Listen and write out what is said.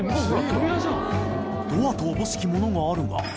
おぼしきものがあるが